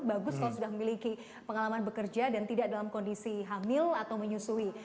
bagus kalau sudah memiliki pengalaman bekerja dan tidak dalam kondisi hamil atau menyusui